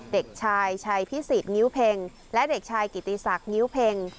เด็กชายชัยพิสิทธงิ้วเพ็งและเด็กชายกิติศักดิงิ้วเพ็ง